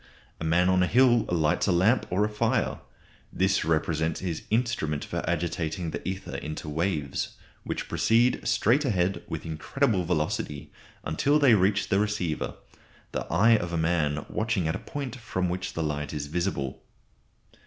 A man on a hill lights a lamp or a fire. This represents his instrument for agitating the ether into waves, which proceed straight ahead with incredible velocity until they reach the receiver, the eye of a man watching at a point from which the light is visible.